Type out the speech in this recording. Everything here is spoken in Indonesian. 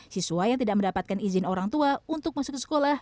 siswa yang tidak mendapatkan izin orang tua untuk masuk ke sekolah